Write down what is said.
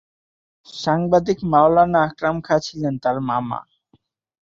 সাংবাদিক মাওলানা আকরাম খাঁ ছিলেন তার মামা।